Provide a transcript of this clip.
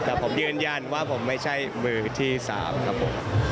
แต่ผมยืนยันว่าผมไม่ใช่มือที่๓ครับผม